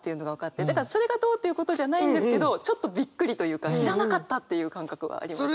だからそれがどうということじゃないんですけどちょっとびっくりというか知らなかったっていう感覚はありました。